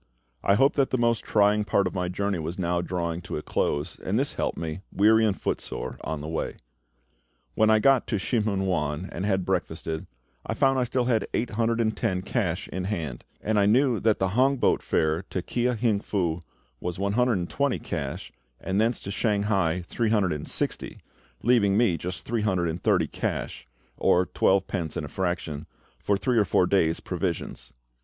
I hoped that the most trying part of my journey was now drawing to a close, and this helped me, weary and footsore, on the way. When I got to Shih mun wan and had breakfasted, I found I had still eight hundred and ten cash in hand; and I knew that the hong boat fare to Kia hing Fu was one hundred and twenty cash, and thence to Shanghai three hundred and sixty, leaving me just three hundred and thirty cash or twelve pence and a fraction for three or four days provisions.